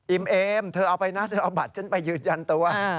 เอมเธอเอาไปนะเธอเอาบัตรฉันไปยืนยันตัว